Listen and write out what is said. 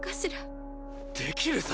できるさ！